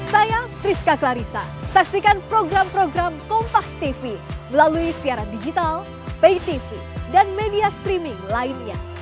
saya priska clarissa saksikan program program kompas tv melalui siaran digital pay tv dan media streaming lainnya